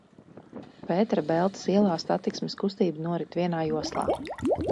Pētera Beltes ielā satiksmes kustība norit vienā joslā.